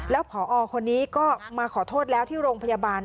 แล้วพอคนนี้ก็มาขอโทษแล้วที่โรงพยาบาล